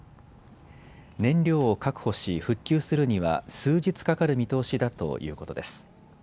燃料を確保し復旧するには数日かかる見通しだということです。